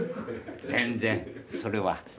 全然それはうん。